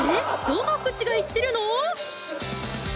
どの口が言ってるの？